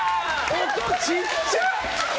音ちっちゃ！